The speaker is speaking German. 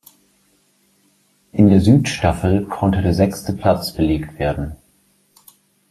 In der Südstaffel konnte der sechste Platz belegt werden.